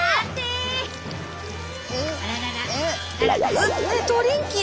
うっトリンキー